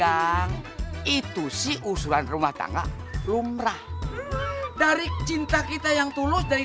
yang itu sih usulan rumah tangga lumrah dari cinta kita yang tulus dari